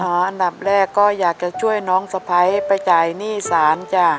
อันดับแรกก็อยากจะช่วยน้องสะพ้ายไปจ่ายหนี้ศาลจ้ะ